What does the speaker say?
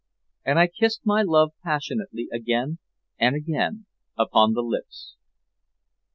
And I kissed my love passionately again and again upon the lips.